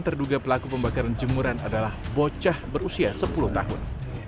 terduga pelaku pembakaran jemuran adalah bocah berusia sepuluh tahun